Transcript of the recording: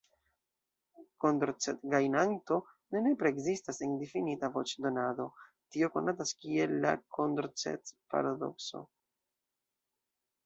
Kondorcet-gajnanto ne nepre ekzistas en difinita voĉdonado, tio konatas kiel la Kondorcet-paradokso.